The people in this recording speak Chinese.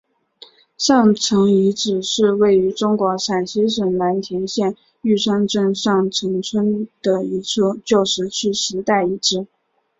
上陈遗址是位于中国陕西省蓝田县玉山镇上陈村的一处旧石器时代遗址。